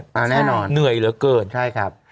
น่านั่นอยู่ในรักเกินครับใช่ครับ